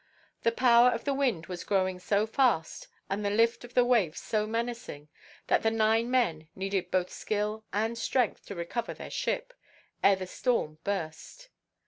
The power of the wind was growing so fast, and the lift of the waves so menacing, that the nine men needed both skill and strength to recover their ship, ere the storm burst.